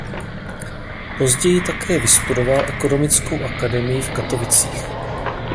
Později také vystudoval Ekonomickou akademii v Katovicích.